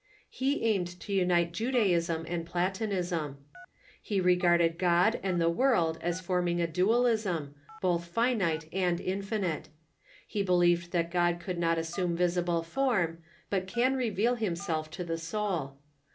lie aimed to unite Ju daism and Platonism. He regarded God and the world as forming a dualism, both finite and infinite. He believed that God could not assume visible form, but can reveal himself to the soul.